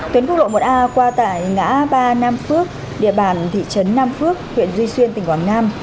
tuyến quốc lộ một a qua tại ngã ba nam phước địa bàn thị trấn nam phước huyện duy xuyên tỉnh quảng nam